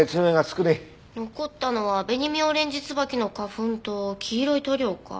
残ったのはベニミョウレンジツバキの花粉と黄色い塗料か。